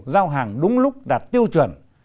giao hàng đúng lúc đạt tiêu chuẩn